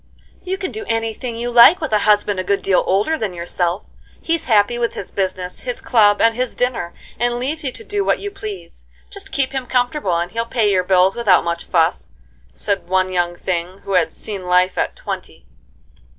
"You can do any thing you like with a husband a good deal older than yourself. He's happy with his business, his club, and his dinner, and leaves you to do what you please; just keep him comfortable and he'll pay your bills without much fuss," said one young thing who had seen life at twenty.